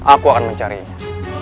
aku akan mencarinya